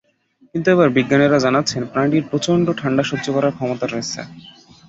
কিন্তু এবার বিজ্ঞানীরা জানাচ্ছেন, প্রাণীটির প্রচণ্ড ঠান্ডা সহ্য করার ক্ষমতা রয়েছে।